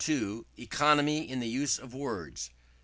Economy in the Use of Words.